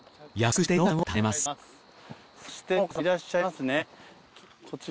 そして農家さんもいらっしゃいますね。